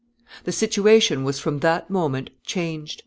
The situation was from that moment changed.